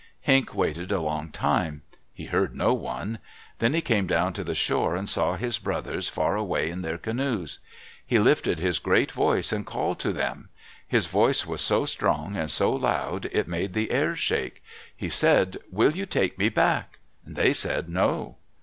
Henq waited a long while. He heard no one. Then he came down to the shore and saw his brothers far away in their canoes. He lifted his great voice and called to them. His voice was so strong and so loud it made the air shake. He said, "Will you take me back?" They said, "No."